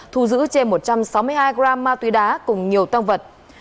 thu giữ trên một trăm sáu mươi hai gram ma túy đá cùng nhiều tăng vật